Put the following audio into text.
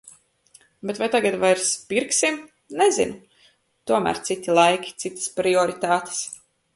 Bet vai tagad vairs pirksim, nezinu. Tomēr citi laiki, citas prioritātes.